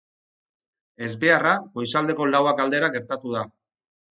Ezbeharra goizaldeko lauak aldera gertatu da.